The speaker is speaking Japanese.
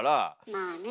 まあね。